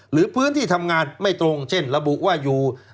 หรือพื้นที่ทำงานไม่ตรงเช่นระบุว่าอยู่